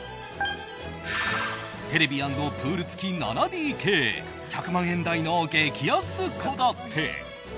テレビ＆プール付き７ＤＫ１００万円台の激安戸建て。